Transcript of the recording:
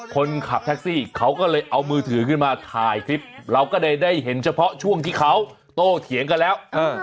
คนขับแท็กซี่เขาก็เลยเอามือถือขึ้นมาถ่ายคลิปเราก็ได้เห็นเฉพาะช่วงที่เขาโตเถียงกันแล้ว